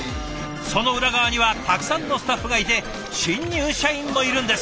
その裏側にはたくさんのスタッフがいて新入社員もいるんです。